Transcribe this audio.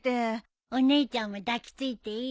お姉ちゃんも抱き付いていいよ。